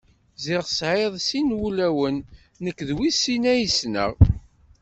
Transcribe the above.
Ziɣ tesɛiḍ sin n wulawen, nekk d wis sin ay ssneɣ.